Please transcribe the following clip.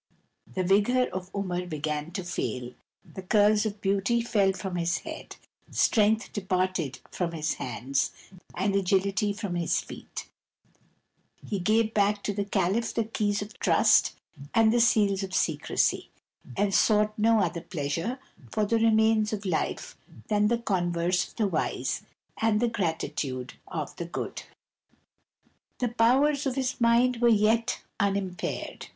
The vigour of ^^ar began to fail, the curls of beauty fell from his head, ^^ength departed from his hands, and agility from his feet *Ie gave back to the calif the keys of trust and the ^^aJs of secrecy ; and sought no other pleasure for the ^^mains of life than the converse of the wise, and the latitude of the good. The powers of his mind were yet unimpaired.